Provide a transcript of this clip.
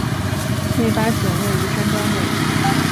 内八景位于山庄内。